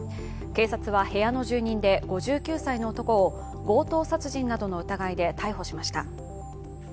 警察は部屋の住人で５９歳の男を強盗殺人などの疑いで逮捕しました。